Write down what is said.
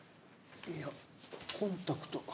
いやコンタクト。